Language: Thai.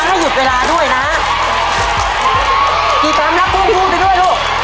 ให้หยุดเวลาด้วยนะฮะกี่พร้ำลักษณ์ครูด้วยด้วยลูก